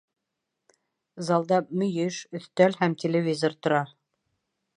Залда мөйөш, өҫтәл һәм телевизор тора